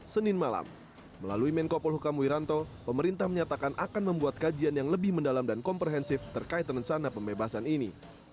senin malam melalui menko polhukam wiranto pemerintah menyatakan akan membuat kajian yang lebih mendalam dan komprehensif terkait rencana pembebasan ini